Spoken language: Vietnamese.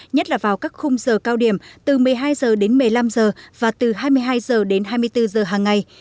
nhất là vào các khung giờ cao điểm từ một mươi hai h đến một mươi năm h và từ hai mươi hai h đến hai mươi bốn h hàng ngày